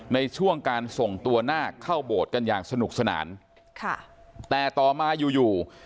ในช่วงการส่งตัวนาคเข้าโบสถ์กันอย่างสนุกสนานค่ะแต่ต่อมาอยู่อยู่